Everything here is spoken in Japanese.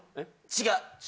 違う。